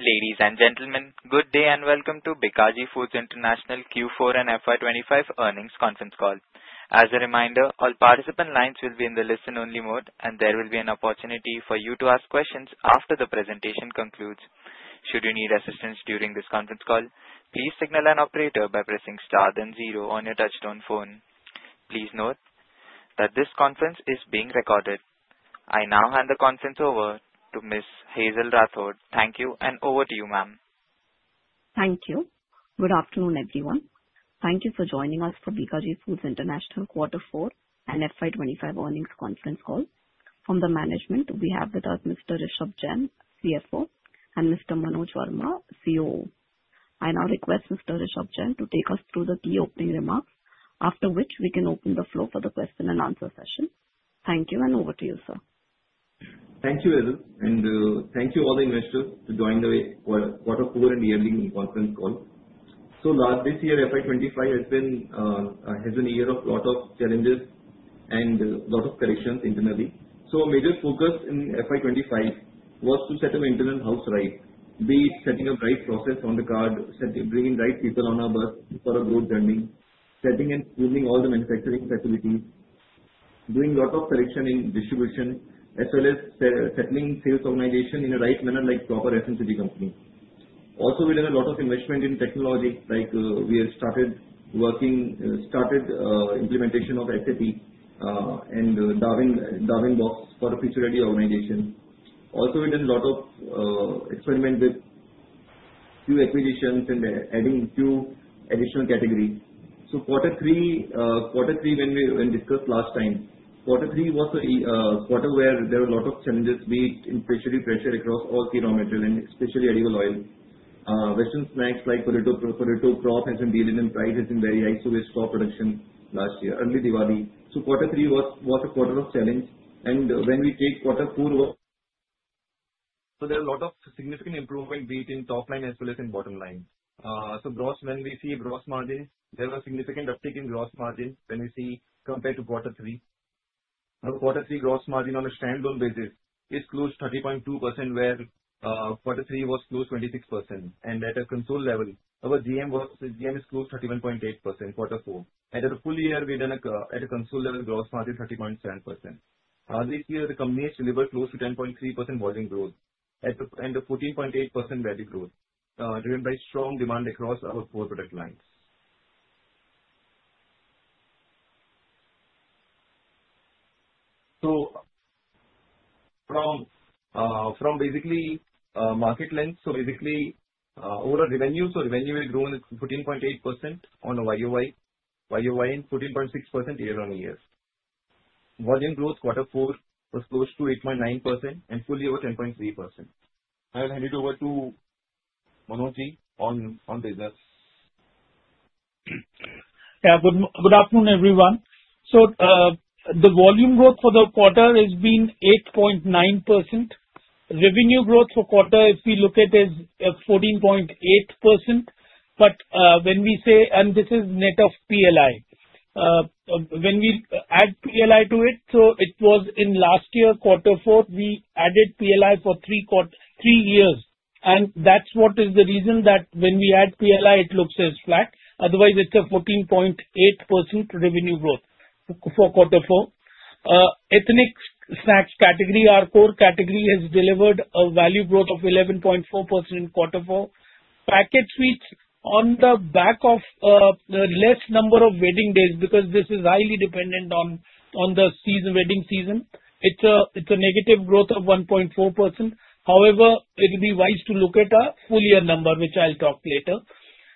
Ladies and gentlemen, good day and welcome to Bikaji Foods International Q4 and FY 2025 earnings conference call. As a reminder, all participant lines will be in the listen-only mode, and there will be an opportunity for you to ask questions after the presentation concludes. Should you need assistance during this conference call, please signal an operator by pressing star then zero on your touchstone phone. Please note that this conference is being recorded. I now hand the conference over to Ms. Hazel Rathod. Thank you, and over to you, ma'am. Thank you. Good afternoon, everyone. Thank you for joining us for Bikaji Foods International Q4 and FY 2025 earnings conference call. From the Management, we have with us Mr. Rishabh Jain, CFO, and Mr. Manoj Verma, COO. I now request Mr. Rishabh Jain to take us through the key opening remarks, after which we can open the floor for the question-and-answer session. Thank you, and over to you, sir. Thank you, Hazel, and thank you all the investors for joining the Q4 and year-ending conference call. This year, FY 2025 has been a year of a lot of challenges and a lot of corrections internally. Our major focus in FY 2025 was to set a maintenance house right, be it setting up the right process on the card, bringing the right people on our bus for a growth journey, setting and improving all the manufacturing facilities, doing a lot of corrections in distribution, as well as settling sales organization in a right manner, like a proper FMCG company. Also, we did a lot of investment in technology. We started implementation of SAP and Darwinbox for a future-ready organization. Also, we did a lot of experiments with new acquisitions and adding a few additional categories. Q3, when we discussed last time, quarter three was a quarter where there were a lot of challenges, be it inflationary pressure across all key raw materials, and especially edible oil. Western Snacks like potato crop have been dealing with prices being very high, so we stopped production last year, early Diwali. quarter three was a quarter of challenge. When we take quarter four, there were a lot of significant improvements, be it in top line as well as in bottom line. When we see gross margins, there was a significant uptick in gross margins when we see compared to quarter three. Now, quarter three gross margin on a standalone basis is close to 30.2%, where quarter three was close to 26%, and at a consolidated level. Our GM is close to 31.8% in quarter 4. At the full year, we had a consolidated gross margin of 30.7%. This year, the company has delivered close to 10.3% volume growth and 14.8% value growth, driven by strong demand across our core product lines. From basically market length, basically overall revenue, revenue has grown 14.8% on a YoY, YoY in 14.6% year-on-year. Volume growth quarter four was close to 8.9%, and full year was 10.3%. I will hand it over to Manoj on business. Yeah, good afternoon, everyone. The volume growth for the quarter has been 8.9%. Revenue growth for the quarter, if we look at it, is 14.8%. When we say, and this is net of PLI, when we add PLI to it, it was in last year, quarter four, we added PLI for three years. That is the reason that when we add PLI, it looks as flat. Otherwise, it is a 14.8% revenue growth for Ethnic Snacks category, our core category, has delivered a value growth of 11.4% in quarter four. Packaged Sweets on the back of a less number of wedding days because this is highly dependent on the wedding season. It is a negative growth of 1.4%. However, it would be wise to look at a full year number, which I'll talk later.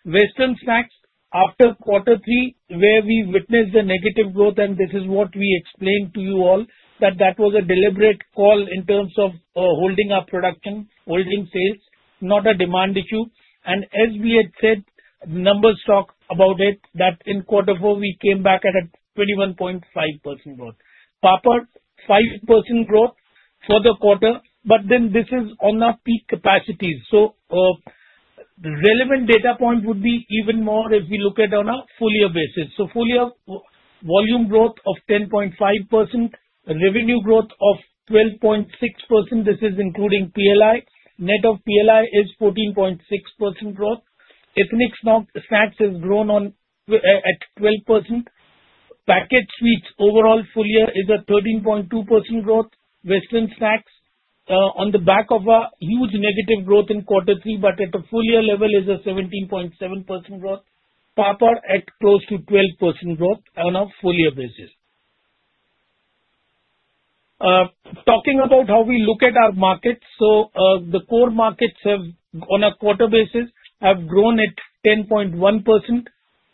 Western Snacks, after quarter three, where we witnessed a negative growth, and this is what we explained to you all, that that was a deliberate call in terms of holding up production, holding sales, not a demand issue. As we had said, numbers talk about it that in Q4, we came back at a 21.5% growth. Papad, 5% growth for the quarter, but then this is on the peak capacity. Relevant data point would be even more if we look at it on a full year basis. Full year volume growth of 10.5%, revenue growth of 12.6%, this is including PLI. Net of PLI is 14.6% growth. Ethnic Snacks has grown at 12%. Packaged Sweets overall full year is a 13.2% growth. Western Snacks, on the back of a huge negative growth in quarter three, but at a full year level, is a 17.7% growth. Papad at close to 12% growth on a full year basis. Talking about how we look at our markets, the core markets have on a quarter basis grown at 10.1%.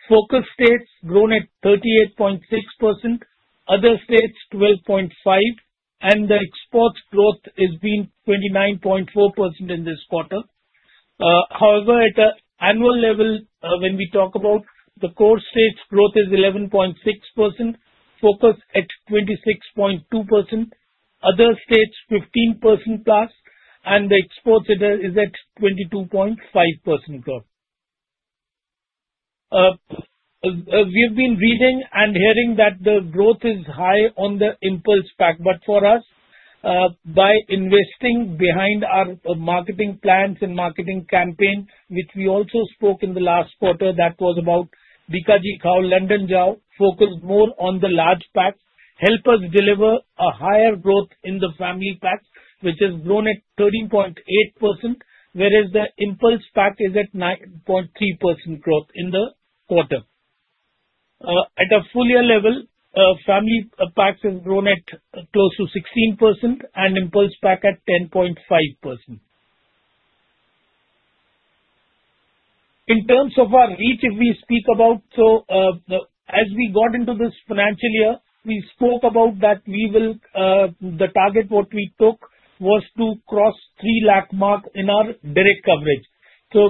Focus states grown at 38.6%, other states 12.5%, and the exports growth has been 29.4% in this quarter. However, at annual level, when we talk about the core states, growth is 11.6%, focus at 26.2%, other states 15% plus, and the exports is at 22.5% growth. We have been reading and hearing that the growth is high on the impulse pack, but for us, by investing behind our marketing plans and marketing campaign, which we also spoke in the last quarter, that was about Bikaji Khao London Jao, focused more on the large packs, helped us deliver a higher growth in the family packs, which has grown at 13.8%, whereas the impulse pack is at 9.3% growth in the quarter. At a full year level, family packs have grown at close to 16% and impulse pack at 10.5%. In terms of our reach, if we speak about, as we got into this financial year, we spoke about that we will the target what we took was to cross 3-lakh mark in our direct coverage.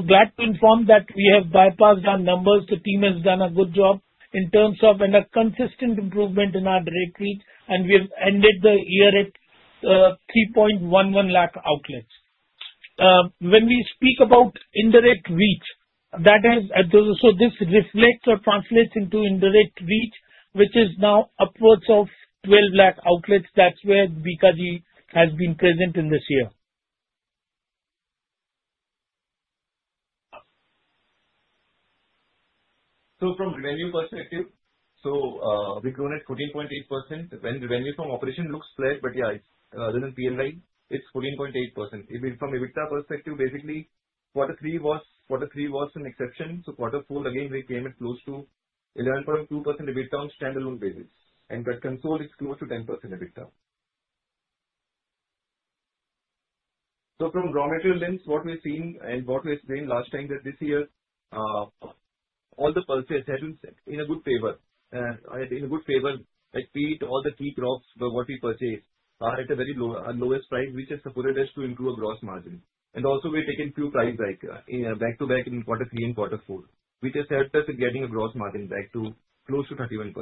Glad to inform that we have bypassed our numbers. The team has done a good job in terms of a consistent improvement in our direct reach, and we have ended the year at 3.11 lakh outlets. When we speak about indirect reach, that is, this reflects or translates into indirect reach, which is now upwards of 12 lakh outlets. That is where Bikaji has been present in this year. From a revenue perspective, we've grown at 14.8%. Revenue from operations looks flat, but other than PLI, it's 14.8%. From an EBITDA perspective, basically, quarter three was an exception. quarter four, again, we came at close to 11.2% EBITDA on a standalone basis, and consolidated is close to 10% EBITDA. From a raw material lens, what we've seen and what we explained last time is that this year, all the purchases have been in good favor. In good favor, be it all the key crops or what we purchase are at a very lowest price, which has supported us to improve our gross margin. Also, we've taken a few price increases back to back in quarter three and quarter four, which has helped us in getting a gross margin back to close to 31%.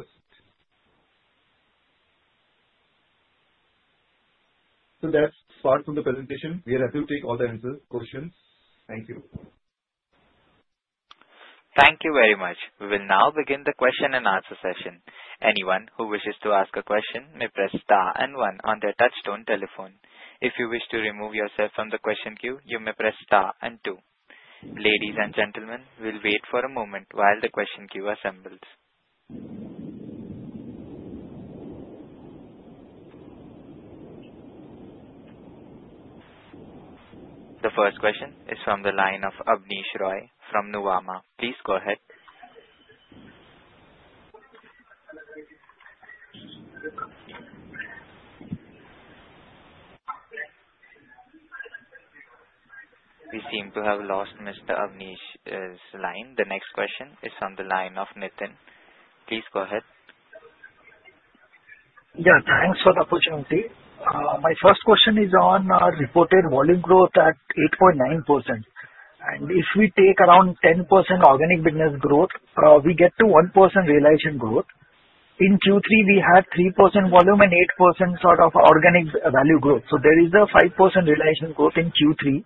That's part of the presentation. We are happy to take all the answers, questions. Thank you. Thank you very much. We will now begin the question-and-answer session. Anyone who wishes to ask a question may press star and one on their touchstone telephone. If you wish to remove yourself from the question queue, you may press star and two. Ladies and gentlemen, we'll wait for a moment while the question queue assembles. The first question is from the line of Abneesh Roy from Nuvama. Please go ahead. We seem to have lost Mr. Abneesh's line. The next question is from the line of Nitin. Please go ahead. Yeah, thanks for the opportunity. My first question is on our reported volume growth at 8.9%. And if we take around 10% organic business growth, we get to 1% realization growth. In Q3, we had 3% volume and 8% sort of organic value growth. There is a 5% realization growth in Q3.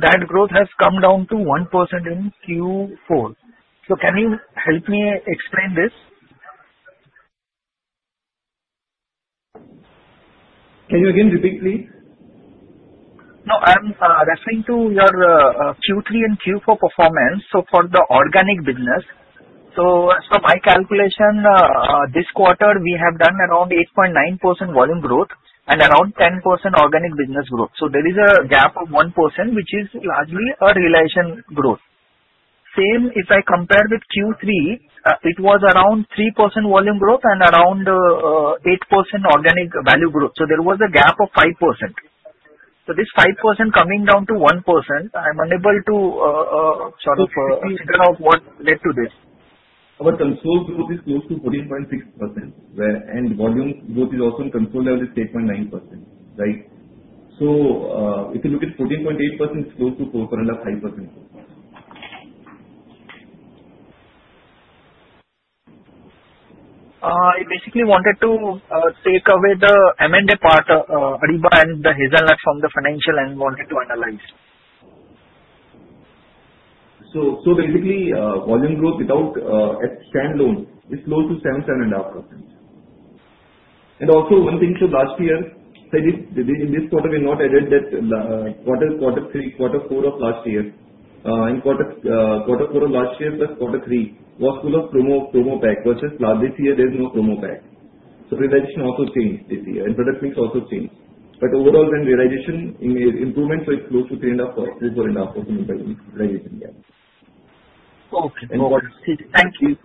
That growth has come down to 1% in Q4. Can you help me explain this? Can you again repeat, please? No, I'm referring to your Q3 and Q4 performance. For the organic business, my calculation this quarter is we have done around 8.9% volume growth and around 10% organic business growth. There is a gap of 1%, which is largely a realization growth. If I compare with Q3, it was around 3% volume growth and around 8% organic value growth. There was a gap of 5%. This 5% coming down to 1%, I'm unable to sort of figure out what led to this. Our consolidated growth is close to 14.6%, and volume growth is also on consolidated level is 8.9%, right? If you look at 14.8%, it's close to 4.5%. I basically wanted to take away the M&A part, Ariba and the Hazelnut from the financial and wanted to analyze. Basically, volume growth without standalone is close to 7-7.5%. Also, one thing from last year, in this quarter, we have not added that quarter three, quarter four of last year. Quarter four of last year plus quarter three was full of promo pack versus this year, there's no promo pack. Realization also changed this year, and product mix also changed. Overall, then realization improvement, so it's close to 3.5%-4.5% realization, yeah. Okay. Thank you.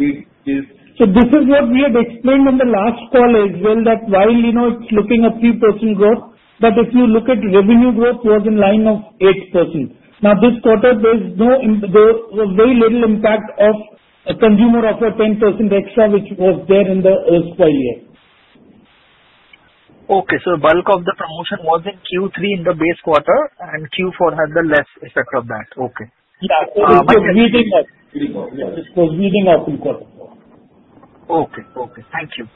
This is what we had explained on the last call as well, that while it's looking at 3% growth, but if you look at revenue growth, it was in line of 8%. Now, this quarter, there's very little impact of consumer offer 10% extra, which was there in the earlier year. Bulk of the promotion was in Q3 in the base quarter, and Q4 had the less effect of that. Yeah, it was bleeding up. It was bleeding up in quarter four. Okay. Okay. Thank you.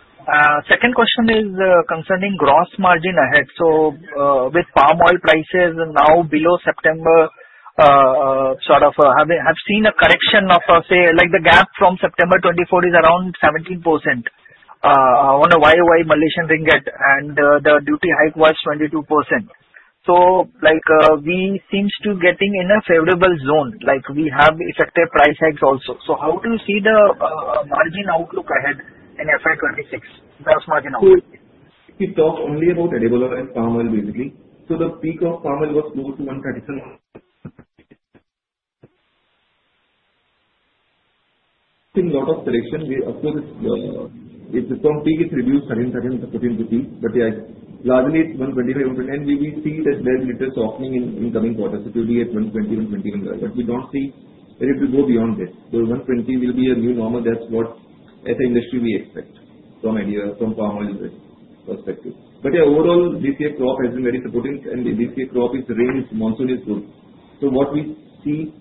Second question is concerning gross margin ahead. With palm oil prices now below September, sort of have seen a correction of, say, like the gap from September 2024 is around 17% on a year-over-year Malaysian Ringgit, and the duty hike was 22%. We seem to be getting in a favorable zone. We have effective price hikes also. How do you see the margin outlook ahead in FY 2026, gross margin outlook? If we talk only about edible oil and palm oil, basically, the peak of palm oil was close to INR 137-. I think a lot of selection, of course, from peak, it reduced [137 to 115], but yeah, largely it's [125]. We will see that there's a little softening in coming quarters, it will be at 120 [per litre], but we don't see it will go beyond this. 120 will be a new normal. That's what as an industry, we expect from idea from palm oil perspective. Yeah, overall, this year crop has been very supportive, and this year crop is rains, monsoon is good. What we see is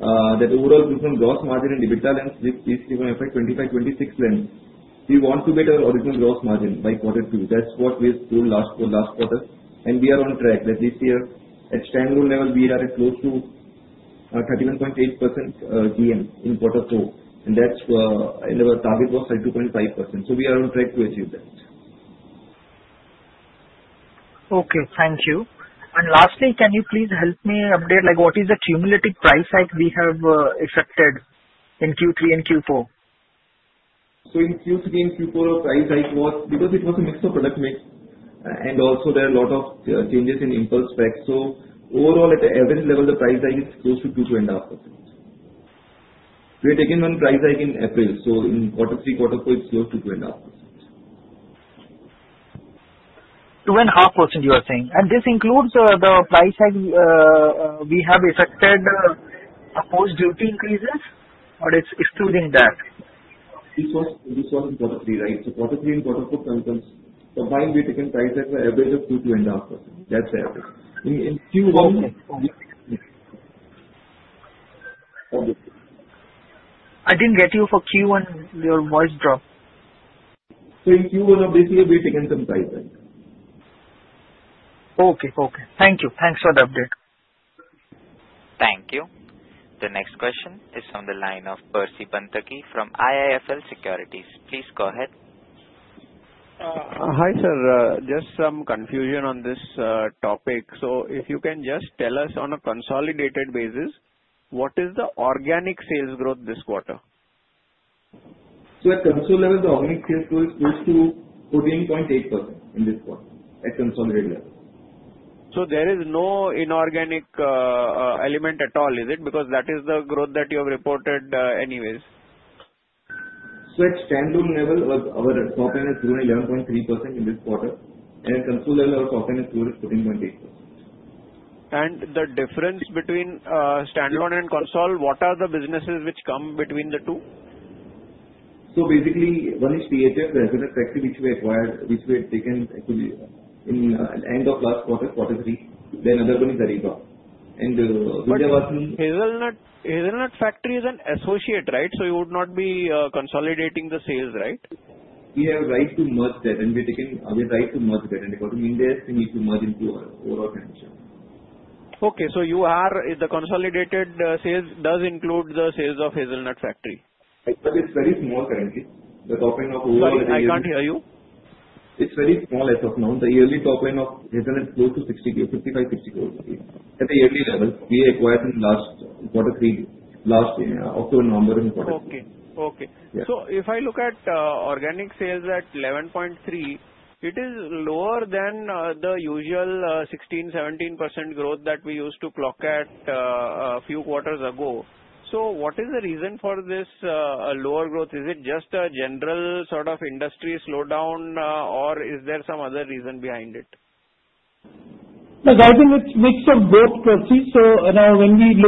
that overall from gross margin and EBITDA lens, this year from FY 2025, 2026 lens, we want to get our original gross margin by quarter two. That's what we've told last quarter, and we are on track. At least here at standalone level, we are close to 31.8% GM in quarter [two], and that's our target was 32.5%. So we are on track to achieve that. Okay. Thank you. Lastly, can you please help me update what is the cumulative price hike we have accepted in Q3 and Q4? In Q3 and Q4, our price hike was because it was a mix of product mix, and also there are a lot of changes in impulse pack. Overall, at the average level, the price hike is close to 2.5%. We had taken one price hike in April, so in quarter three, quarter four, it is close to 2.5%. 2.5% you are saying. This includes the price hike we have accepted, post duty increases, or it's excluding that? This was in quarter three, right? quarter three and quarter four, sometimes combined, we had taken price hike by average of 2.5%. That's the average. In Q1. I didn't get you for Q1, your voice dropped. In Q1, obviously, we had taken some price hike. Okay. Okay. Thank you. Thanks for the update. Thank you. The next question is from the line of Percy Panthaki from IIFL Securities. Please go ahead. Hi sir, just some confusion on this topic. If you can just tell us on a consolidated basis, what is the organic sales growth this quarter? At consolidated level, the organic sales growth is close to 14.8% in this quarter at consolidated level. There is no inorganic element at all, is it? Because that is the growth that you have reported anyways. At standalone level, our top end has grown 11.3% in this quarter, and at consolidated level, our top end has grown 14.8%. The difference between standalone and console, what are the businesses which come between the two? Basically, one is THF, The Hazelnut Factory, which we had taken actually in the end of last quarter, quarter three. Then another one is Ariba. And Windyabashmi. Hazelnut Factory is an associate, right? So you would not be consolidating the sales, right? We have a right to merge that, and we have taken a right to merge that. We have taken it according to India's need to merge into our overall financial. Okay. So the consolidated sales does include the sales of The Hazelnut Factory? It's very small currently. The top end of overall. I can't hear you. It's very small as of now. The yearly top end of hazelnut is close to 60 crore, 55 crore-60 crore overall. At the yearly level, we acquired in last quarter three, last year, October-November in quarter three. Okay. Okay. If I look at organic sales at 11.3%, it is lower than the usual 16-17% growth that we used to clock at a few quarters ago. What is the reason for this lower growth? Is it just a general sort of industry slowdown, or is there some other reason behind it? No, I think it's a mix of both, Percy. Now, when we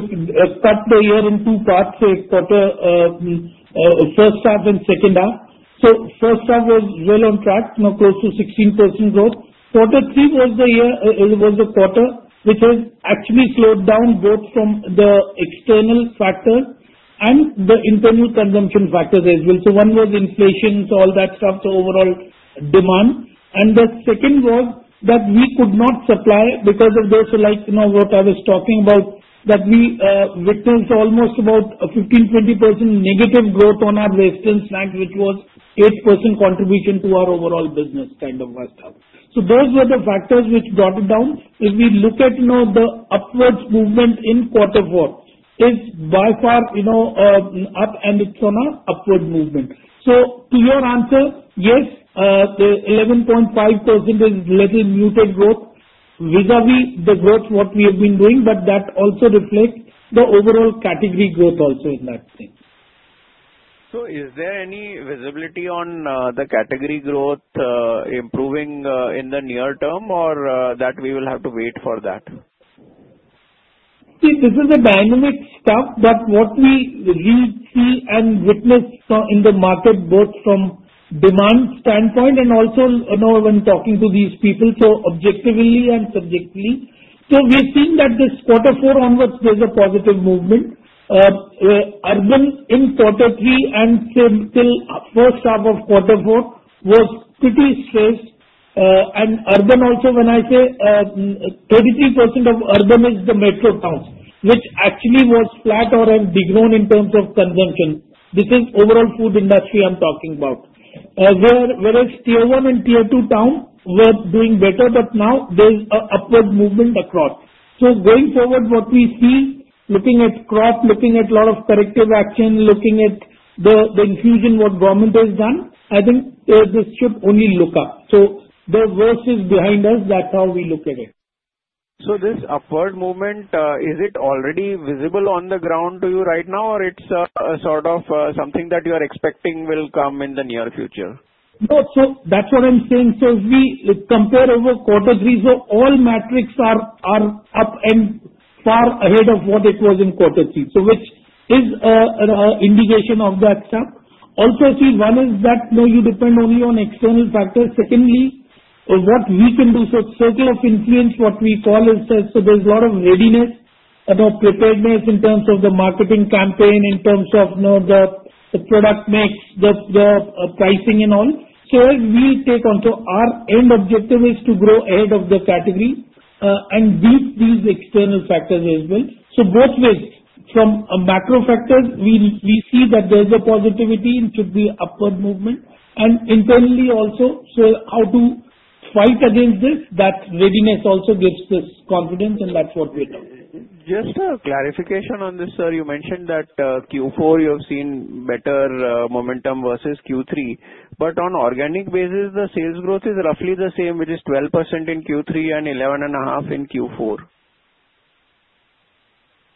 cut the year in two parts, say, first half and second half, first half was well on track, close to 16% growth. Quarter three was the quarter which has actually slowed down both from the external factors and the internal consumption factors as well. One was inflation, all that stuff, the overall demand. The second was that we could not supply because of this, like what I was talking about, that we witnessed almost about 15-20% negative growth on our resistance snack, which was 8% contribution to our overall business kind of stuff. Those were the factors which brought it down. If we look at the upward movement in quarter four, it's by far up, and it's on an upward movement. To your answer, yes, the 11.5% is a little muted growth vis-à-vis the growth what we have been doing, but that also reflects the overall category growth also in that thing. Is there any visibility on the category growth improving in the near term, or that we will have to wait for that? See, this is a dynamic stuff, but what we really see and witness in the market, both from demand standpoint and also when talking to these people, so objectively and subjectively. We have seen that this quarter four onwards, there is a positive movement. Urban in quarter three and till first half of quarter four was pretty stressed. Urban also, when I say 33% of urban is the metro towns, which actually was flat or had degrown in terms of consumption. This is overall food industry I am talking about. Whereas Tier one and Tier two towns were doing better, but now there is an upward movement across. Going forward, what we see, looking at crop, looking at a lot of corrective action, looking at the infusion what government has done, I think this should only look up. The worst is behind us. That is how we look at it. This upward movement, is it already visible on the ground to you right now, or it's sort of something that you are expecting will come in the near future? No. That's what I'm saying. If we compare over quarter three, all metrics are up and far ahead of what it was in quarter three, which is an indication of that stuff. Also, see, one is that you depend only on external factors. Secondly, what we can do, so circle of influence, what we call is there's a lot of readiness and preparedness in terms of the marketing campaign, in terms of the product mix, the pricing, and all. As we take on, our end objective is to grow ahead of the category and beat these external factors as well. Both ways, from macro factors, we see that there's a positivity and should be upward movement. Internally also, how to fight against this, that readiness also gives us confidence, and that's what we're talking about. Just a clarification on this, sir. You mentioned that Q4 you have seen better momentum versus Q3, but on organic basis, the sales growth is roughly the same, which is 12% in Q3 and 11.5% in Q4.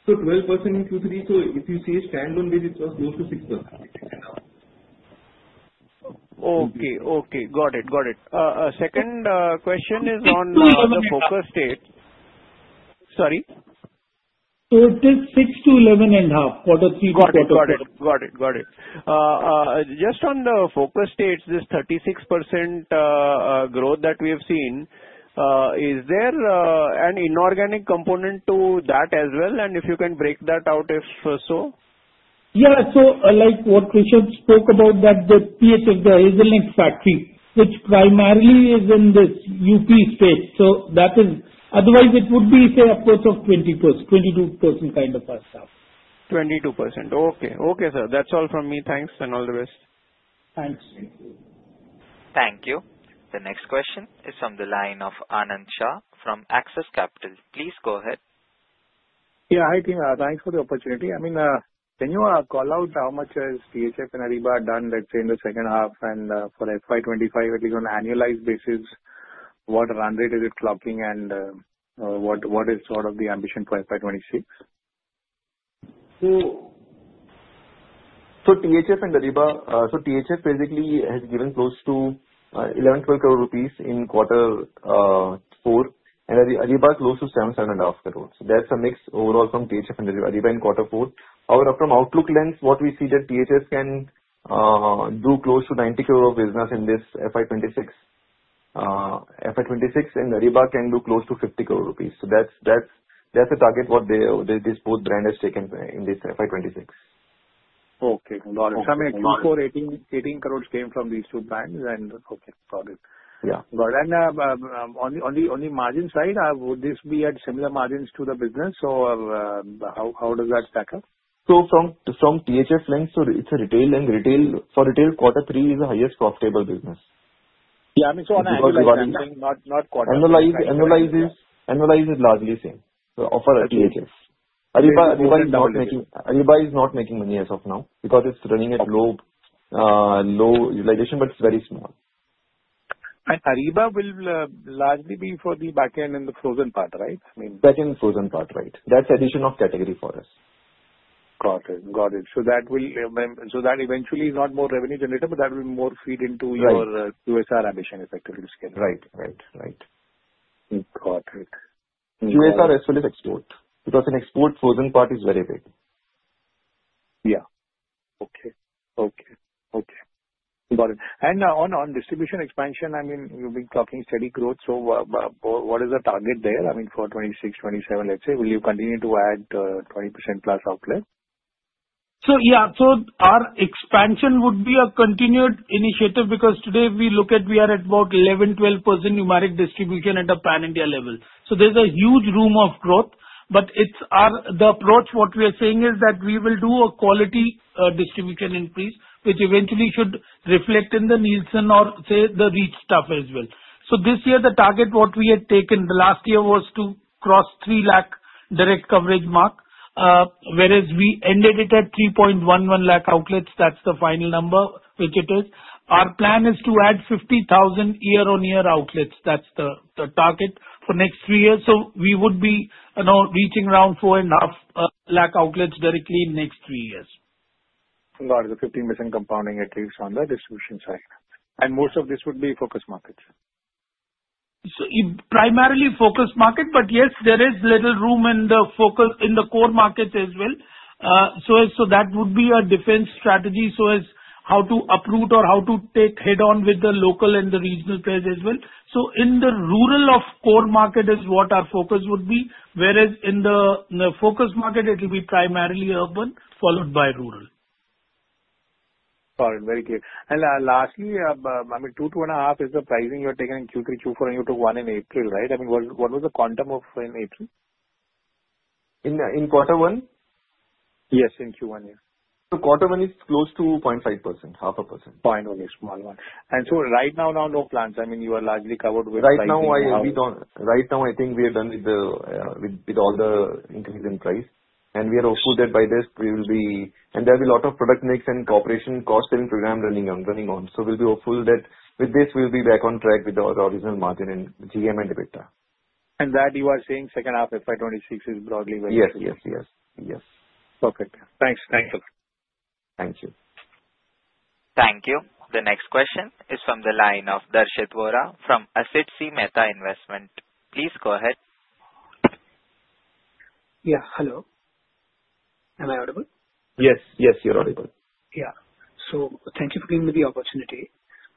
Twelve percent in Q3, if you see standalone basis, it was close to 6%. Okay. Got it. Second question is on the focus states. Sorry? It is 6%-11.5% quarter three to quarter four. Got it. Got it. Got it. Just on the focus states, this 36% growth that we have seen, is there an inorganic component to that as well? If you can break that out if so. Yeah. Like what Rishabh spoke about, that the THF, The Hazelnut Factory, which primarily is in this UP state. That is otherwise, it would be say upwards of 20%-22% kind of stuff. 22%. Okay. Okay, sir. That's all from me. Thanks and all the best. Thanks. Thank you. The next question is from the line of Anand Shah from Axis Capital. Please go ahead. Yeah. Hi, Tim. Thanks for the opportunity. I mean, can you call out how much has THF and Ariba done, let's say, in the second half and for FY 2025, at least on an annualized basis, what run rate is it clocking and what is sort of the ambition for FY 2026? THF and Ariba, so THF basically has given close to 11 crore-12 crore rupees in quarter four, and Ariba is close to 7 crore-7.5 crore. That is a mix overall from THF and Ariba in quarter four. However, from outlook lens, what we see is that THF can do close to 90 crore of business in this FY 2026. FY 2026 and Ariba can do close to 50 crore rupees. That is the target what both brands have taken in this FY 2026. Okay. Got it. I mean, Q4, 18 crore came from these two brands, and okay. Got it. Yeah. Got it. On the margin side, would this be at similar margins to the business? How does that stack up? From THF lens, so it's a retail lens. For retail, quarter three is the highest profitable business. Yeah. I mean, on annualized basis, not quarterly. Annualized is largely the same. For THF, Ariba is not making money as of now because it's running at low utilization, but it's very small. Ariba will largely be for the back end and the frozen part, right? Back end and frozen part, right. That's addition of category for us. Got it. Got it. So that will eventually not be more revenue generator, but that will more feed into your QSR ambition effectively to scale. Right. Got it. QSR as well as export because in export, frozen part is very big. Yeah. Okay. Okay. Got it. On distribution expansion, I mean, you've been talking steady growth. What is the target there? I mean, for 2026, 2027, let's say, will you continue to add 20%+ outlet? Yeah. Our expansion would be a continued initiative because today we look at we are at about 11-12% numeric distribution at a pan-India level. There is a huge room of growth, but the approach, what we are saying, is that we will do a quality distribution increase, which eventually should reflect in the Nielsen or, say, the reach stuff as well. This year, the target what we had taken last year was to cross the 3 lakh direct coverage mark, whereas we ended it at 3.11 lakh outlets. That is the final number, which it is. Our plan is to add 50,000 year-on-year outlets. That is the target for the next three years. We would be reaching around 4.5 lakh outlets directly in the next three years. Got it. So 15% compounding at least on the distribution side. And most of this would be focus markets? Primarily focus market, but yes, there is little room in the core markets as well. That would be a defense strategy as to how to uproot or how to take head-on with the local and the regional players as well. In the rural of core market is what our focus would be, whereas in the focus market, it will be primarily urban followed by rural. Got it. Very clear. Lastly, I mean, 2-2.5% is the pricing you had taken in Q3, Q4, and you took one in April, right? I mean, what was the quantum of in April? In quarter one? Yes, in Q1, yeah. Quarter one is close to 0.5%, half a percent. Fine, one. A small one. Right now, no plans. I mean, you are largely covered with pricing. Right now, I think we are done with all the increase in price. We are hopeful that by this, we will be and there will be a lot of product mix and cooperation costing program running on. We will be hopeful that with this, we will be back on track with our original margin and GM and EBITDA. You are saying second half FY 2026 is broadly very good. Yes. Perfect. Thanks. Thank you. Thank you. Thank you. The next question is from the line of Darshit Vora from Asit C. Mehta Investment. Please go ahead. Yeah. Hello. Am I audible? Yes. Yes, you're audible. Yeah. Thank you for giving me the opportunity.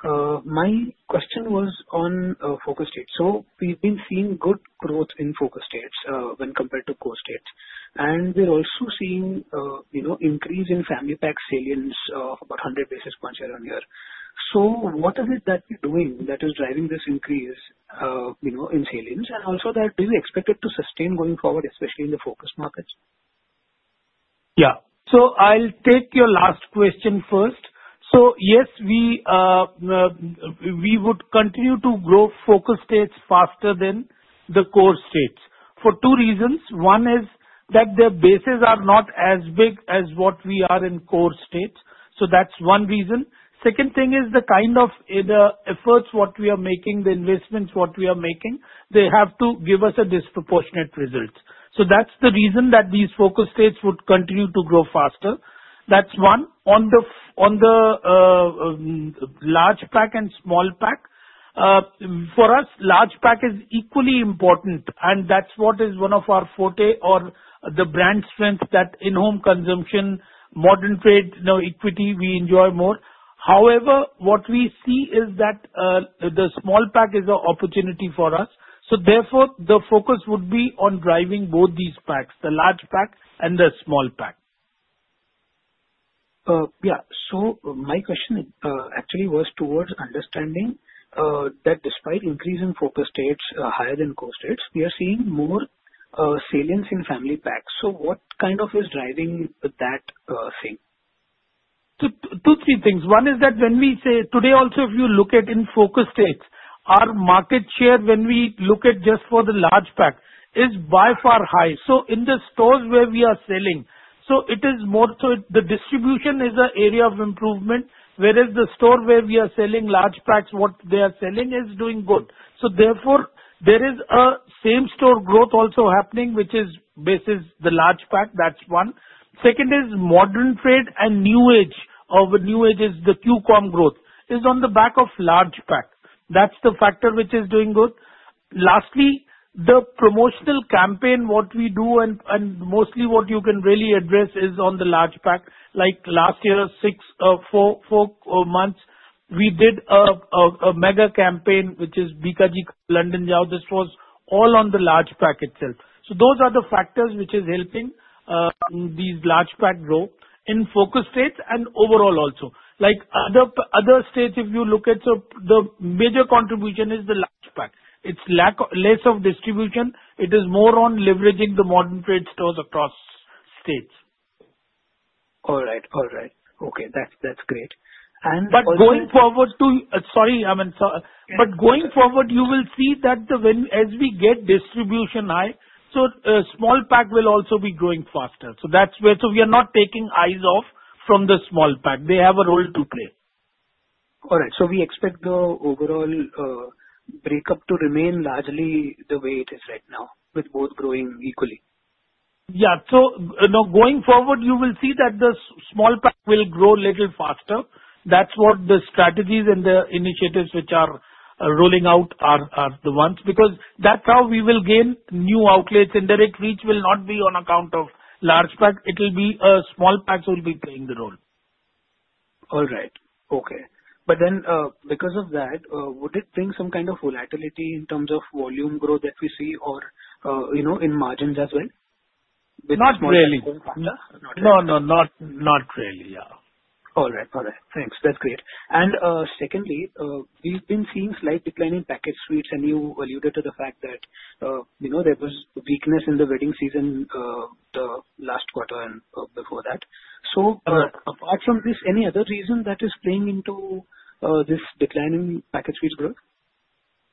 My question was on focus states. We've been seeing good growth in focus states when compared to core states. We're also seeing increase in family pack salience of about 100 basis points year-on-year. What is it that we're doing that is driving this increase in salience? Also, do you expect it to sustain going forward, especially in the focus markets? Yeah. I'll take your last question first. Yes, we would continue to grow focus states faster than the core states for two reasons. One is that the bases are not as big as what we are in core states. That's one reason. The second thing is the kind of efforts we are making, the investments we are making, they have to give us a disproportionate result. That's the reason that these focus states would continue to grow faster. That's one. On the large pack and small pack, for us, large pack is equally important. That's what is one of our forte or the brand strength, that in-home consumption, modern trade, equity, we enjoy more. However, what we see is that the small pack is an opportunity for us. Therefore, the focus would be on driving both these packs, the large pack and the small pack. Yeah. So my question actually was towards understanding that despite increase in focus states higher than core states, we are seeing more salience in family packs. What kind of is driving that thing? Two, three things. One is that when we say today, also if you look at in focus states, our market share when we look at just for the large pack is by far high. In the stores where we are selling, it is more so the distribution is an area of improvement, whereas the store where we are selling large packs, what they are selling is doing good. Therefore, there is a same-store growth also happening, which is bases the large pack. That's one. Second is modern trade and new age. New age is the Qcom growth is on the back of large pack. That's the factor which is doing good. Lastly, the promotional campaign what we do, and mostly what you can really address is on the large pack. Like last year, four months, we did a mega campaign, which is Bikaji Khao London Jao. This was all on the large pack itself. Those are the factors which is helping these large pack grow in focus states and overall also. Like other states, if you look at, the major contribution is the large pack. It's less of distribution. It is more on leveraging the modern trade stores across states. All right. All right. Okay. That's great. Going forward, you will see that as we get distribution high, small pack will also be growing faster. We are not taking eyes off from the small pack. They have a role to play. All right. We expect the overall breakup to remain largely the way it is right now with both growing equally? Yeah. Going forward, you will see that the small pack will grow a little faster. That is what the strategies and the initiatives which are rolling out are, the ones because that is how we will gain new outlets. Indirect reach will not be on account of large pack. It will be small packs will be playing the role. All right. Okay. Because of that, would it bring some kind of volatility in terms of volume growth that we see or in margins as well? Not really. Not really. No, no, not really. Yeah. All right. All right. Thanks. That's great. Secondly, we've been seeing slight decline in packet sweets. You alluded to the fact that there was weakness in the wedding season the last quarter and before that. Apart from this, any other reason that is playing into this declining packet sweets growth?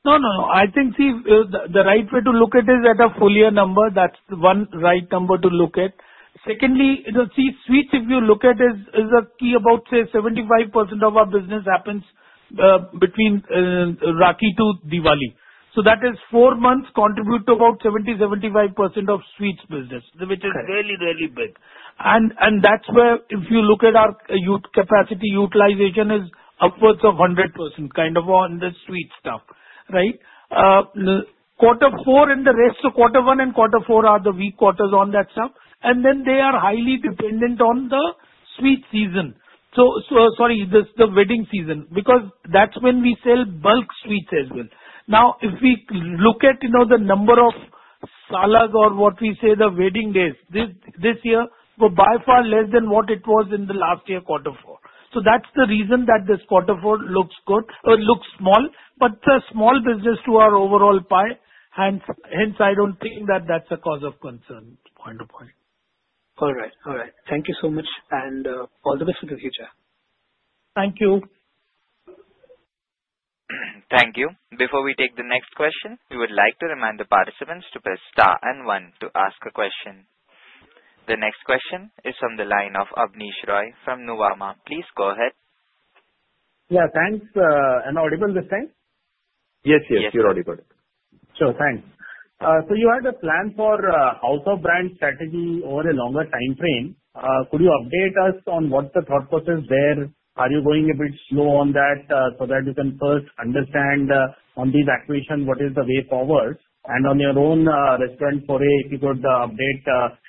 No, no, no. I think the right way to look at it is at a foliar number. That's one right number to look at. Secondly, see, sweets, if you look at, is a key about say 75% of our business happens between Rakhi to Diwali. That is four months contribute to about 70-75% of sweets business, which is really, really big. That's where if you look at our capacity utilization is upwards of 100% kind of on the sweets stuff, right? Quarter four and the rest, so quarter one and quarter four are the weak quarters on that stuff. They are highly dependent on the sweets season. Sorry, the wedding season because that's when we sell bulk sweets as well. Now, if we look at the number of salas or what we say the wedding days, this year were by far less than what it was in the last year, quarter four. That is the reason that this quarter four looks good or looks small, but a small business to our overall pie. Hence, I do not think that that is a cause of concern. All right. All right. Thank you so much. All the best for the future. Thank you. Thank you. Before we take the next question, we would like to remind the participants to press star and one to ask a question. The next question is from the line of Abneesh Roy from Nuvama. Please go ahead. Yeah. Thanks. Am I audible this time? Yes, yes. You're audible. Thanks. You had a plan for house of brand strategy over a longer time frame. Could you update us on what the thought process there is? Are you going a bit slow on that so that we can first understand on these activations, what is the way forward? On your own restaurant foray, if you could update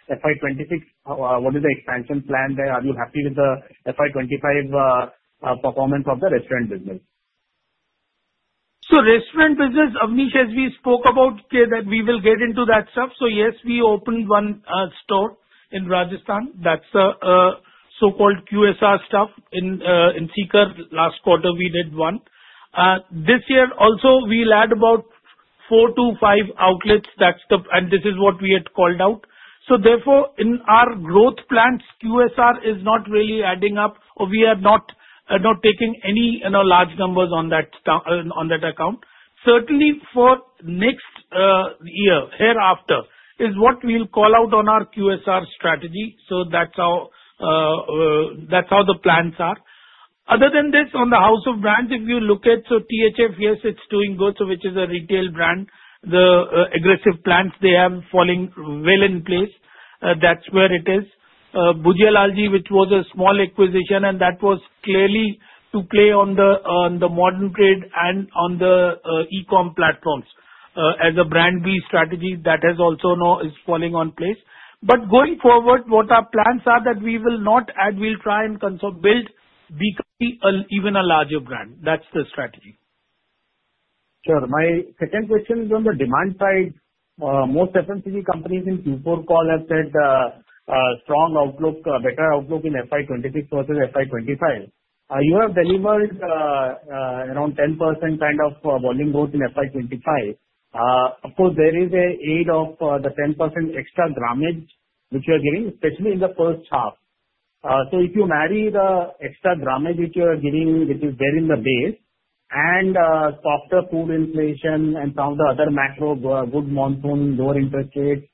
FY 2026, what is the expansion plan there? Are you happy with the FY 2025 performance of the restaurant business? Restaurant business, Abneesh, as we spoke about, that we will get into that stuff. Yes, we opened one store in Rajasthan. That is the so-called QSR stuff in Sikar. Last quarter, we did one. This year, also, we will add about four to five outlets. This is what we had called out. Therefore, in our growth plans, QSR is not really adding up, or we are not taking any large numbers on that account. Certainly, for next year, hereafter, is what we will call out on our QSR strategy. That is how the plans are. Other than this, on the house of brand, if you look at, THF, yes, it is doing good, which is a retail brand. The aggressive plans, they have fallen well in place. That is where it is. Bhujialalji, which was a small acquisition, and that was clearly to play on the modern trade and on the e-com platforms as a brand B strategy, that has also now is falling in place. Going forward, what our plans are that we will not add, we'll try and build even a larger brand. That's the strategy. Sure. My second question is on the demand side. Most FMCG companies in Q4 call have said strong outlook, better outlook in FY 2026 versus FY 2025. You have delivered around 10% kind of volume growth in FY 2025. Of course, there is an aid of the 10% extra grammage, which you are giving, especially in the first half. If you marry the extra grammage, which you are giving, which is there in the base, and softer food inflation and some of the other macro good monsoon, lower interest rates,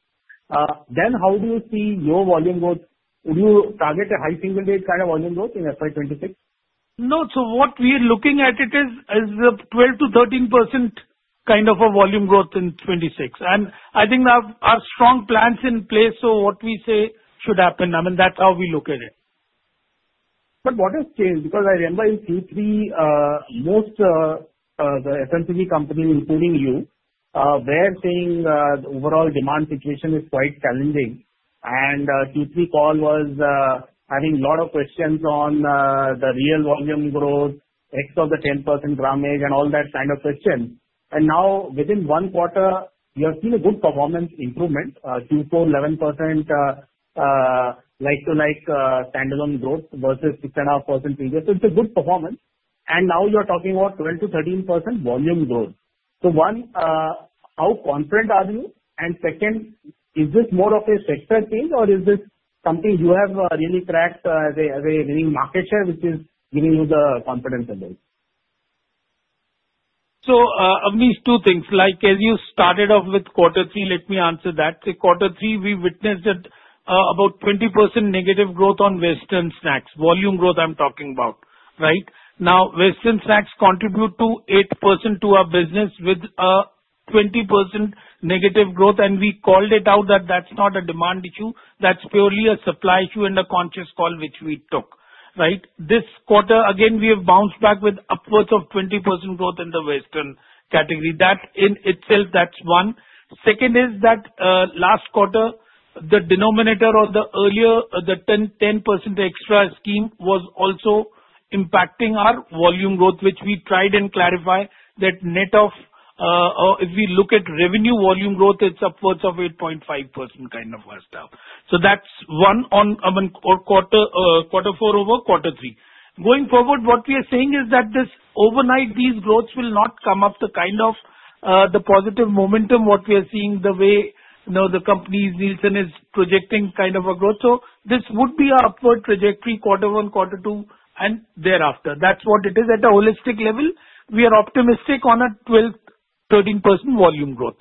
then how do you see your volume growth? Would you target a high single-digit kind of volume growth in FY 2026? No. What we are looking at is 12-13% kind of a volume growth in 2026. I think our strong plans are in place, so what we say should happen. I mean, that's how we look at it. What has changed? Because I remember in Q3, most of the FMCG companies, including you, were saying the overall demand situation is quite challenging. The Q3 call was having a lot of questions on the real volume growth, X of the 10% grammage, and all that kind of question. Now, within one quarter, you have seen a good performance improvement, Q4, 11% like-to-like standalone growth versus 6.5% previous. It is a good performance. Now you're talking about 12-13% volume growth. One, how confident are you? Second, is this more of a sector change, or is this something you have really cracked as a market share, which is giving you the confidence a bit? Abneesh, two things. Like as you started off with quarter three, let me answer that. Quarter three, we witnessed about 20% negative growth on Western Snacks. Volume growth I'm talking about, right? Now, Western Snacks contribute to 8% to our business with a 20% negative growth. We called it out that that's not a demand issue. That's purely a supply issue and a conscious call, which we took, right? This quarter, again, we have bounced back with upwards of 20% growth in the Western category. That in itself, that's one. Second is that last quarter, the denominator or the earlier, the 10% extra scheme was also impacting our volume growth, which we tried and clarified that net of, if we look at revenue volume growth, it's upwards of 8.5% kind of a stuff. That's one on, I mean, quarter four over quarter three. Going forward, what we are saying is that this overnight, these growths will not come up the kind of the positive momentum what we are seeing the way the company's Nielsen is projecting kind of a growth. This would be an upward trajectory quarter one, quarter two, and thereafter. That is what it is. At a holistic level, we are optimistic on a 12-13% volume growth.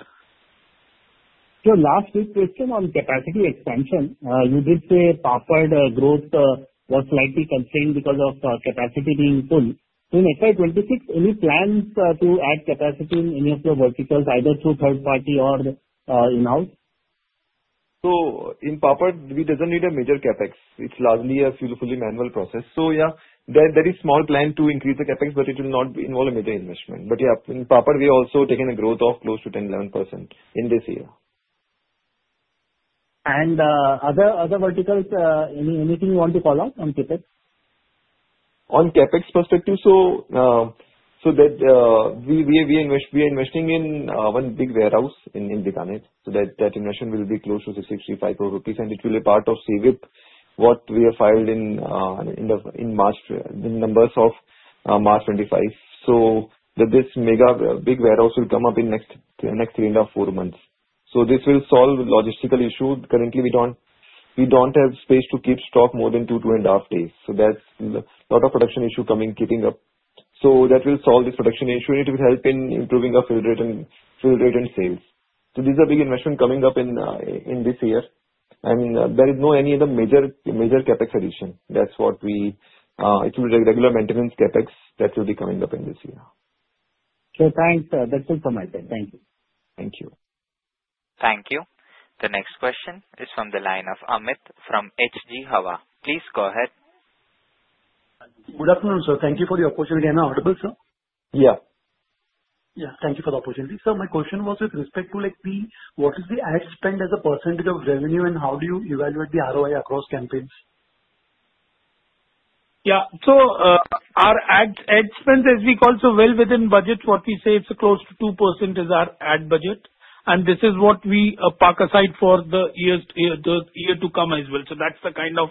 Last quick question on capacity expansion. You did say Popper growth was slightly constrained because of capacity being full. In FY 2026, any plans to add capacity in any of your verticals, either through third party or in-house? In proper, we do not need a major CapEx. It is largely a fully manual process. Yeah, there is a small plan to increase the CapEx, but it will not involve a major investment. Yeah, in proper, we have also taken a growth of close to 10-11% in this year. Other verticals, anything you want to call out on CapEx? On CapEx perspective, we are investing in one big warehouse in Bikaner. That investment will be close to 65 crore rupees and it will be part of CWIP, what we have filed in March, the numbers of March 2025. This mega big warehouse will come up in the next three and a half, four months. This will solve logistical issues. Currently, we do not have space to keep stock more than two, two and a half days. That is a lot of production issue coming, keeping up. That will solve this production issue, and it will help in improving our field rate and sales. These are big investments coming up in this year. There is no any other major CapEx addition. It will be regular maintenance CapEx that will be coming up in this year. Thanks. That's all from my side. Thank you. Thank you. Thank you. The next question is from the line of Amit from HG Hawa. Please go ahead. Good afternoon, sir. Thank you for the opportunity. Am I audible, sir? Yeah. Yeah. Thank you for the opportunity. Sir, my question was with respect to what is the ad spend as a percentage of revenue, and how do you evaluate the ROI across campaigns? Yeah. Our ad spend, as we call, is well within budget. What we say, it's close to 2% is our ad budget. This is what we park aside for the year to come as well. That's the kind of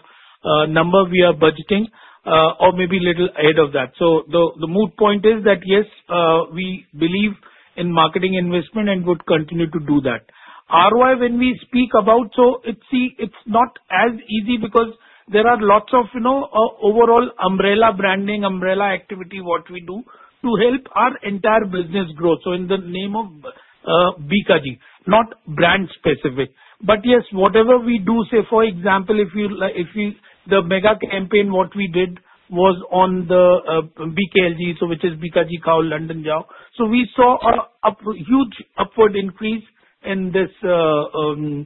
number we are budgeting or maybe a little ahead of that. The moot point is that yes, we believe in marketing investment and would continue to do that. ROI, when we speak about, it's not as easy because there are lots of overall umbrella branding, umbrella activity, what we do to help our entire business growth. In the name of Bikaji, not brand specific. Yes, whatever we do, say, for example, if the mega campaign what we did was on the Bikaji, which is Bikaji Kaho London Jao. We saw a huge upward increase in this large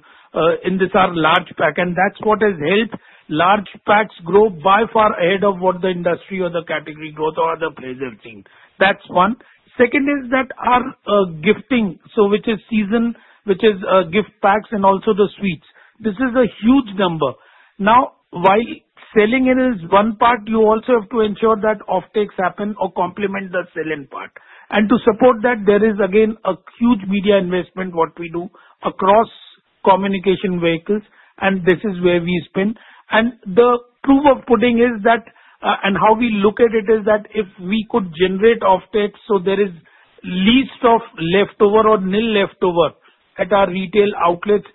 pack. That is what has helped large packs grow by far ahead of what the industry or the category growth or other players have seen. That is one. Second is that our gifting, so which is season, which is gift packs and also the sweets. This is a huge number. Now, while selling it is one part, you also have to ensure that offtakes happen or complement the selling part. To support that, there is again a huge media investment what we do across communication vehicles. This is where we spend. The proof of putting is that, and how we look at it is that if we could generate offtakes, so there is least of leftover or nil leftover at our retail outlets,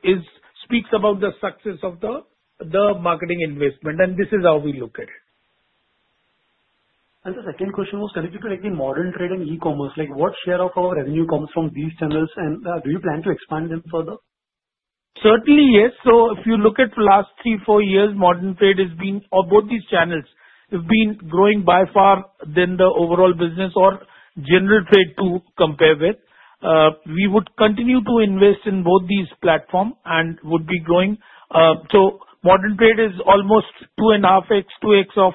speaks about the success of the marketing investment. This is how we look at it. The second question was, if you could take the modern trade and e-commerce, what share of our revenue comes from these channels? Do you plan to expand them further? Certainly, yes. If you look at the last three, four years, modern trade has been, or both these channels have been growing by far than the overall business or general trade to compare with. We would continue to invest in both these platforms and would be growing. Modern trade is almost 2.5x, 2x of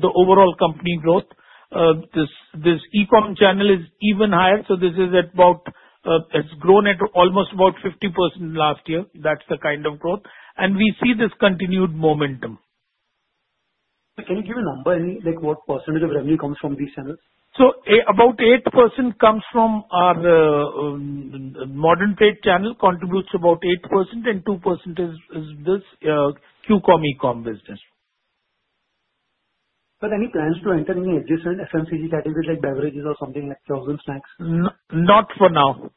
the overall company growth. This e-comm channel is even higher. This is at about, it has grown at almost about 50% last year. That is the kind of growth. We see this continued momentum. Can you give a number, what percentage of revenue comes from these channels? About 8% comes from our modern trade channel, contributes about 8%, and 2% is this Qcom e-comm business. Any plans to enter any existing FMCG category like beverages or something like frozen snacks? Not for now.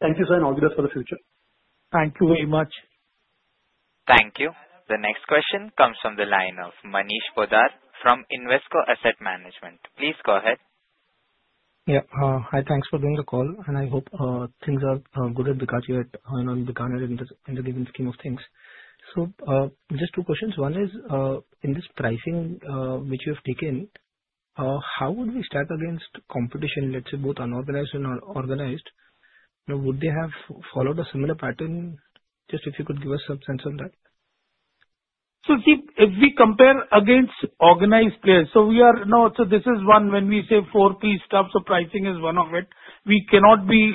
Thank you, sir, and I'll be there for the future. Thank you very much. Thank you. The next question comes from the line of Manish Poddar from Invesco Asset Management. Please go ahead. Yeah. Hi, thanks for doing the call. I hope things are good at Bikaji and Bikaner in the given scheme of things. Just two questions. One is, in this pricing which you have taken, how would we stack against competition, let's say both unorganized and organized? Would they have followed a similar pattern? Just if you could give us some sense on that. See, if we compare against organized players, we are no, this is one when we say four key stuff, pricing is one of it. We cannot be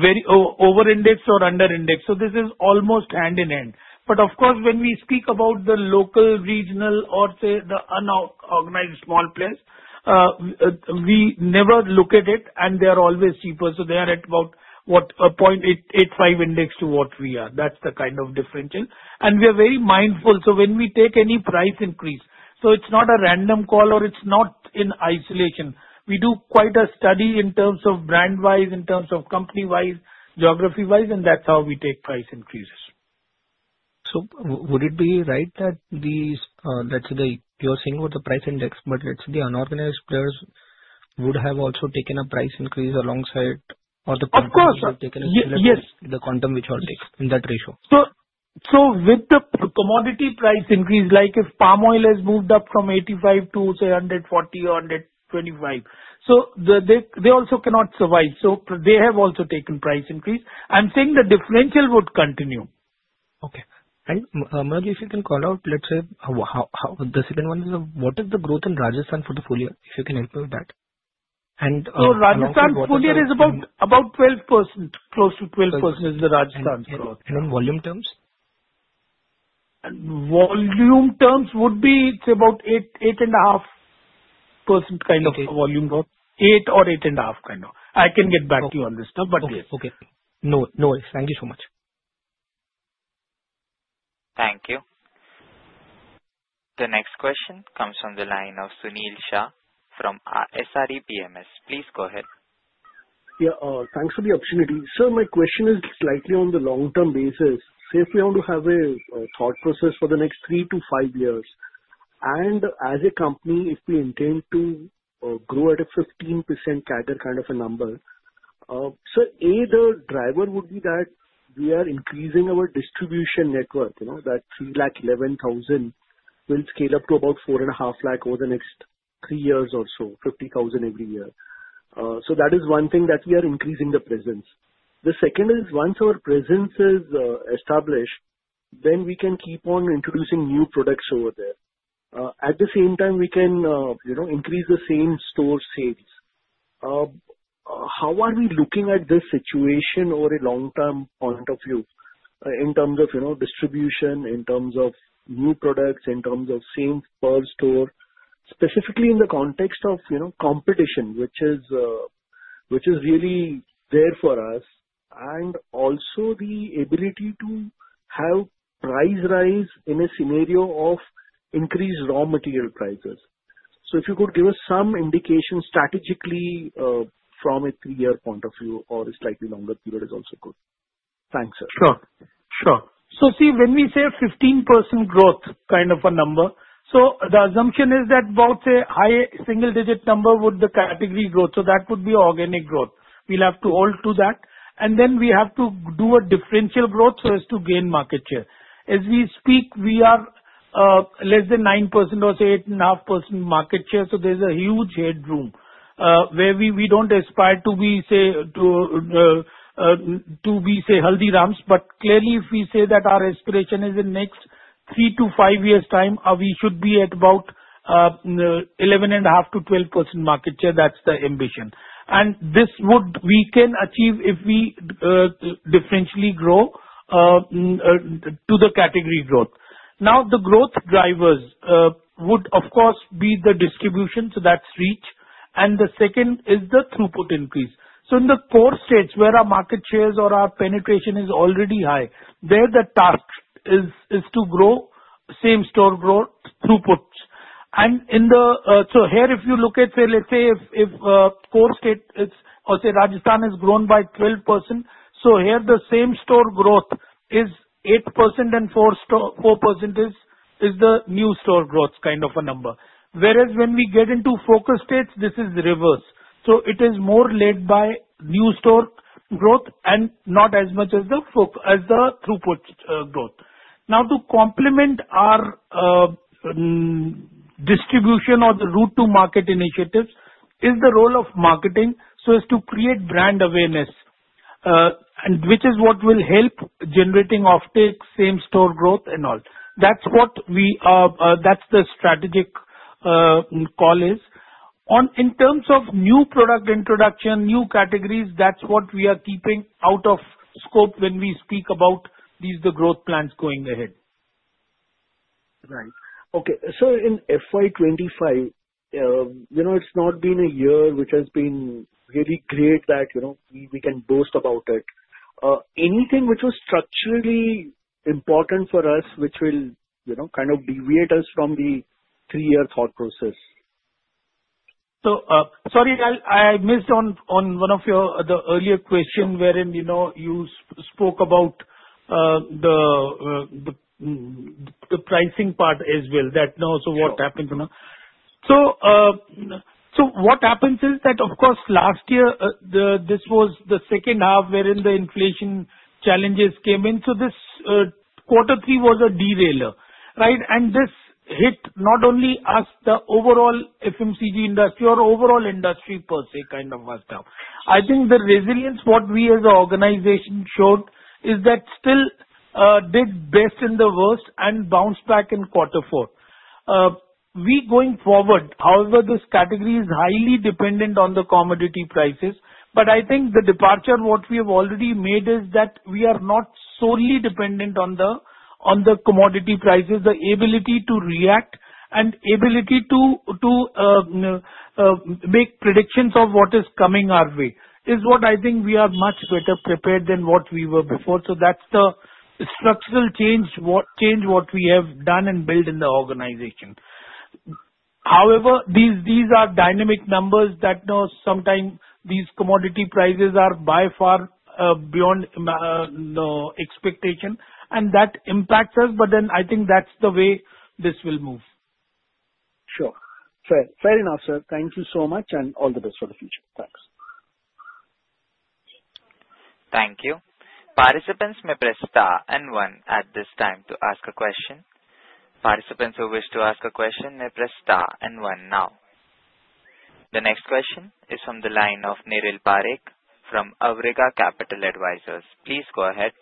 very over-indexed or under-indexed. This is almost hand in hand. Of course, when we speak about the local, regional, or the unorganized small players, we never look at it, and they are always cheaper. They are at about, what, 0.85 index to what we are. That is the kind of differential. We are very mindful. When we take any price increase, it is not a random call, or it is not in isolation. We do quite a study in terms of brand-wise, company-wise, geography-wise, and that is how we take price increases. Would it be right that the, let's say, you're saying about the price index, but let's say the unorganized players would have also taken a price increase alongside or the company would have taken a similar increase with the quantum which you all take in that ratio? With the commodity price increase, like if palm oil has moved up from 85 to, say, 140 or 125, they also cannot survive. They have also taken price increase. I'm saying the differential would continue. Okay. Amir, if you can call out, let's say, the second one is, what is the growth in Rajasthan portfolio, if you can help me with that? Rajasthan portfolio is about 12%, close to 12% is the Rajasthan portfolio. In volume terms? Volume terms would be, it's about 8.5% kind of volume growth. 8 or 8.5% kind of. I can get back to you on this stuff, but yes. Okay. No worries. Thank you so much. Thank you. The next question comes from the line of Sunil Shah from SRE PMS. Please go ahead. Yeah. Thanks for the opportunity. Sir, my question is slightly on the long-term basis. Say if we want to have a thought process for the next three to five years. And as a company, if we intend to grow at a 15% CAGR kind of a number, sir, A, the driver would be that we are increasing our distribution network. That 3.11 lakh will scale up to about 4.5 lakh over the next three years or so, 0.5 lakh every year. That is one thing that we are increasing the presence. The second is, once our presence is established, then we can keep on introducing new products over there. At the same time, we can increase the same store sales. How are we looking at this situation over a long-term point of view in terms of distribution, in terms of new products, in terms of same per store, specifically in the context of competition, which is really there for us, and also the ability to have price rise in a scenario of increased raw material prices? If you could give us some indication strategically from a three-year point of view or a slightly longer period is also good. Thanks, sir. Sure. Sure. See, when we say 15% growth kind of a number, the assumption is that about a high single-digit number would be the category growth. That would be organic growth. We will have to hold to that. We have to do a differential growth so as to gain market share. As we speak, we are less than 9% or, say, 8.5% market share. There is a huge headroom where we do not aspire to be, say, healthy rams. Clearly, if we say that our aspiration is in the next three to five years' time, we should be at about 11.5%-12% market share. That is the ambition. This we can achieve if we differentially grow to the category growth. Now, the growth drivers would, of course, be the distribution. That is reach. The second is the throughput increase. In the core states where our market shares or our penetration is already high, the task is to grow same store growth, throughputs. If you look at, let's say, if core states or Rajasthan has grown by 12%, the same store growth is 8% and 4% is the new store growth kind of a number. When we get into focus states, this is reverse. It is more led by new store growth and not as much as the throughput growth. To complement our distribution or the route to market initiatives is the role of marketing so as to create brand awareness, which is what will help generating offtake, same store growth, and all. That's the strategic call. In terms of new product introduction, new categories, that's what we are keeping out of scope when we speak about these growth plans going ahead. Right. Okay. So in FY 2025, it's not been a year which has been really great that we can boast about it. Anything which was structurally important for us, which will kind of deviate us from the three-year thought process? Sorry, I missed on one of your earlier questions wherein you spoke about the pricing part as well, that, no, so what happened? What happens is that, of course, last year, this was the second half wherein the inflation challenges came in. This quarter three was a derailer, right? This hit not only us, the overall FMCG industry or overall industry per se kind of was down. I think the resilience what we as an organization showed is that still did best in the worst and bounced back in quarter four. We, going forward, however, this category is highly dependent on the commodity prices. I think the departure what we have already made is that we are not solely dependent on the commodity prices, the ability to react, and ability to make predictions of what is coming our way is what I think we are much better prepared than what we were before. That is the structural change what we have done and built in the organization. However, these are dynamic numbers that sometimes these commodity prices are by far beyond expectation, and that impacts us. I think that is the way this will move. Sure. Fair enough, sir. Thank you so much and all the best for the future. Thanks. Thank you. Participants may press star and one at this time to ask a question. Participants who wish to ask a question may press star and one now. The next question is from the line of Niril Parekh from Awriga Capital Advisors. Please go ahead.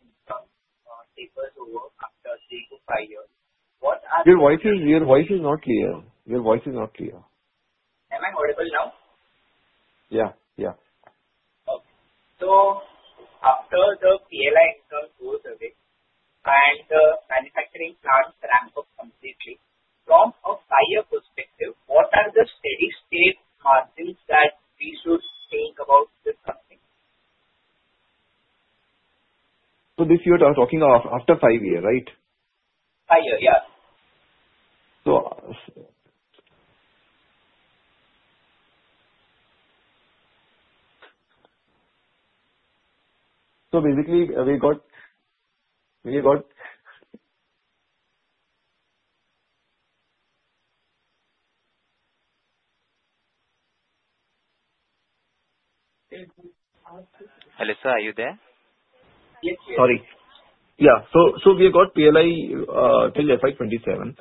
Your voice is not clear. Am I audible now? Yeah. Yeah. Okay. After the PLI income goes away and the manufacturing plants ramp up completely, from a buyer perspective, what are the steady-state margins that we should You are talking of after five years, right? Five years, yeah. Basically, we got Hello sir, are you there? Yes, yes. Sorry. Yeah. We got PLI till FY 2027.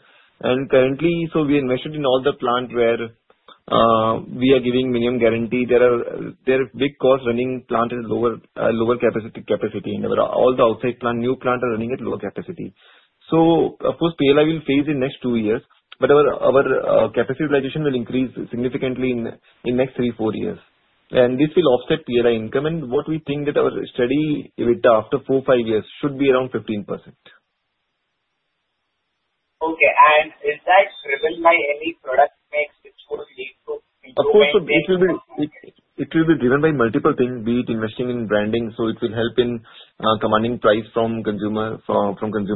Currently, we invested in all the plant where we are giving minimum guarantee. There are big costs running plant at lower capacity. All the outside new plant are running at lower capacity. Of course, PLI will phase in next two years. Our capacity utilization will increase significantly in the next three-four years. This will offset PLI income. What we think is that our steady EBITDA after four-five years should be around 15%. Okay. Of course, it will be driven by multiple things, be it investing in branding. It will help in commanding price from consumer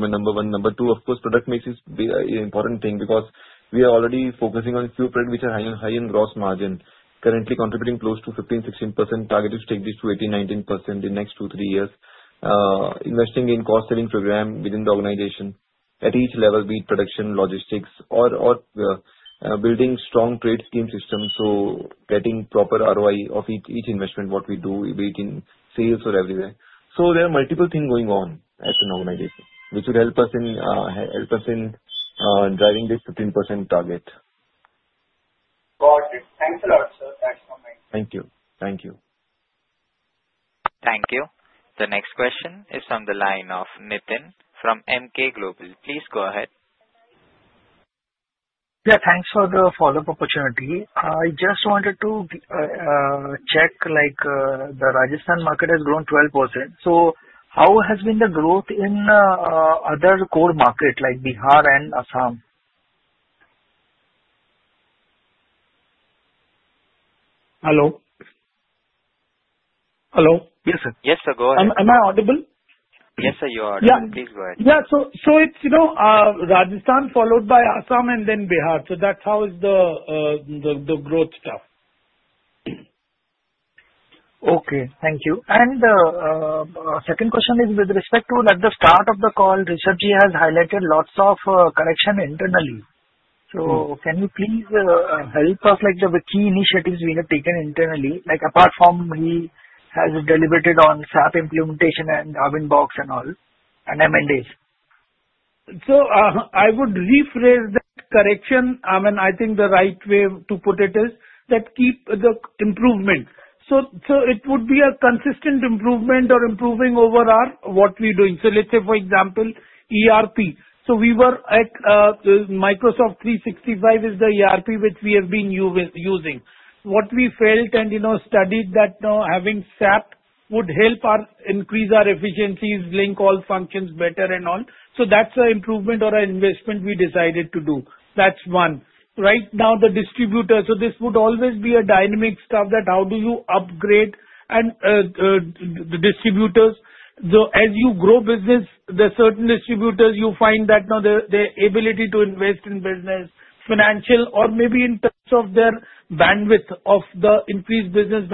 number one. Number two, of course, product mix is an important thing because we are already focusing on a few products which are high in gross margin, currently contributing close to 15-16%. Target is to take this to 18-19% in the next two to three years. Investing in cost-saving program within the organization at each level, be it production, logistics, or building strong trade scheme systems. Getting proper ROI of each investment, what we do, be it in sales or everywhere. There are multiple things going on as an organization which will help us in driving this 15% target. Got it. Thanks a lot, sir. Thanks for my time. Thank you. Thank you. Thank you. The next question is from the line of Nitin from MK Global. Please go ahead. Yeah. Thanks for the follow-up opportunity. I just wanted to check, the Rajasthan market has grown 12%. How has been the growth in other core markets like Bihar and Assam? Hello? Hello? Yes, sir. Yes, sir. Go ahead. Am I audible? Yes, sir. You're audible. Please go ahead. Yeah. It is Rajasthan followed by Assam and then Bihar. That is how the growth is. Okay. Thank you. Second question is with respect to at the start of the call, Rishabh has highlighted lots of correction internally. Can you please help us with the key initiatives we have taken internally? Apart from he has deliberated on SAP implementation and Darwinbox and all and M&As. I would rephrase that correction. I mean, I think the right way to put it is that keep the improvement. It would be a consistent improvement or improving over what we're doing. For example, ERP. We were at Microsoft 365 as the ERP which we have been using. What we felt and studied is that having SAP would help increase our efficiencies, link all functions better and all. That is an improvement or an investment we decided to do. That is one. Right now, the distributor, this would always be a dynamic thing, how do you upgrade the distributors. As you grow business, there are certain distributors you find that now their ability to invest in business, financial, or maybe in terms of their bandwidth of the increased business.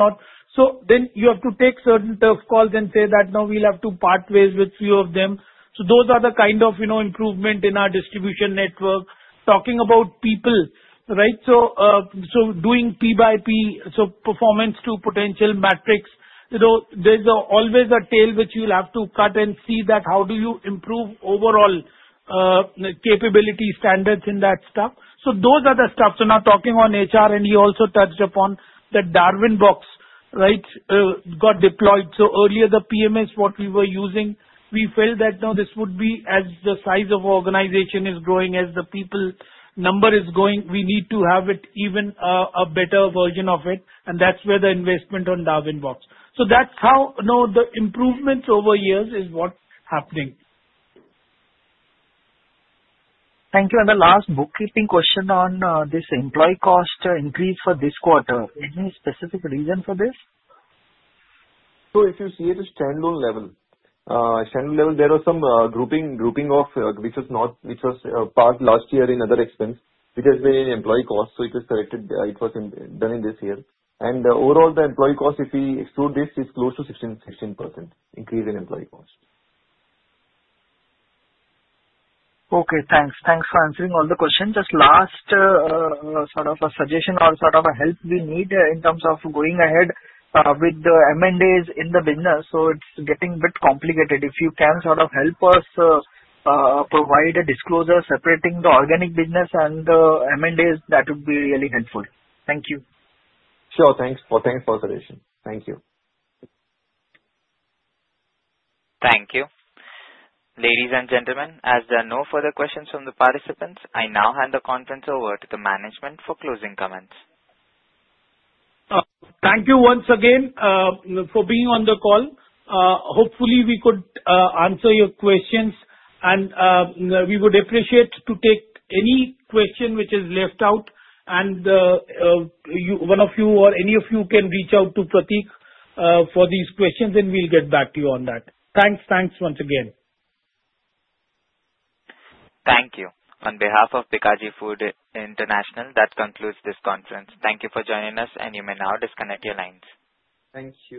Then you have to take certain tough calls and say that now we'll have to part ways with a few of them. Those are the kind of improvement in our distribution network. Talking about people, right? Doing P by P, so performance to potential metrics. There's always a tail which you'll have to cut and see that how do you improve overall capability standards in that stuff? Those are the stuff. Now talking on HR, and you also touched upon that Darwinbox, right, got deployed. Earlier, the PMS, what we were using, we felt that now this would be as the size of our organization is growing, as the people number is growing, we need to have it even a better version of it. That's where the investment on Darwinbox. That's how the improvements over years is what's happening. Thank you. The last bookkeeping question on this employee cost increase for this quarter. Any specific reason for this? If you see at a standalone level, there was some grouping of which was passed last year in other expense, which has been in employee cost. It was selected. It was done in this year. Overall, the employee cost, if we exclude this, is close to 16% increase in employee cost. Okay. Thanks. Thanks for answering all the questions. Just last sort of a suggestion or sort of a help we need in terms of going ahead with the M&As in the business. It is getting a bit complicated. If you can sort of help us provide a disclosure separating the organic business and the M&As, that would be really helpful. Thank you. Sure. Thanks for the suggestion. Thank you. Thank you. Ladies and gentlemen, as there are no further questions from the participants, I now hand the conference over to the Management for closing comments. Thank you once again for being on the call. Hopefully, we could answer your questions. We would appreciate to take any question which is left out. One of you or any of you can reach out to Prateek for these questions, and we'll get back to you on that. Thanks. Thanks once again. Thank you. On behalf of Bikaji Foods International, that concludes this conference. Thank you for joining us, and you may now disconnect your lines. Thank you.